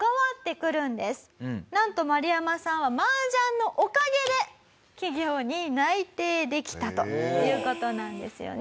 なんとマルヤマさんは麻雀のおかげで企業に内定できたという事なんですよね。